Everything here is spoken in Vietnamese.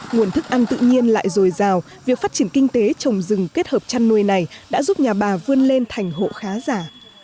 nguồn thức ăn tự nhiên lại dồi dào việc phát triển kinh tế trồng rừng kết hợp chăn nuôi này đã giúp nhà bà vươn lên thành hộ khá giả